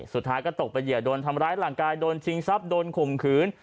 สุดท้ายก็ตกเป็นเหยื่อโดนทำร้ายร่างกายโดนชิงทรัพย์โดนข่มขืน